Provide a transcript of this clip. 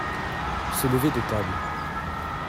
Se lever de table.